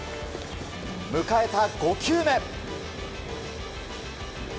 迎えた５球目。